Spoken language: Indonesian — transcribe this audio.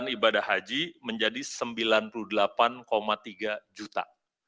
dengan ibadah haji menjadi sembilan puluh delapan tiga juta